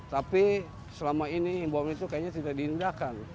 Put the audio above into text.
tapi selama ini himbauan itu kayaknya tidak dihindarkan